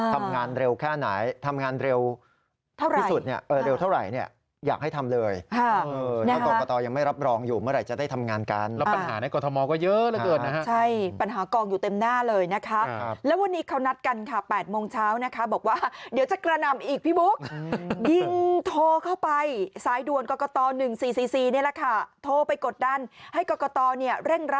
ทำงานเร็วพิสุดเยอะเร็วเท่าไร